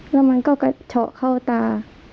แล้วมันก็กระเฉาะเข้าตา